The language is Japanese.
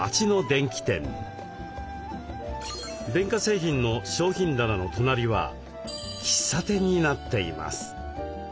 電化製品の商品棚の隣は喫茶店になっています。